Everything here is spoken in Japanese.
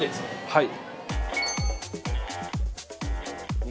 はい。